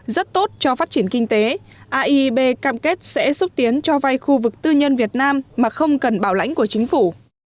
rất tốt cho phát triển kinh tế aib cam kết sẽ xúc tiến cho vay khu vực tư nhân việt nam mà không cần bảo lãnh của chính phủ